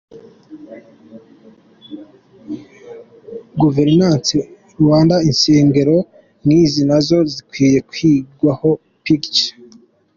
GovernanceRw Insengero nk'izi nazo zikwiye kwigwaho pic.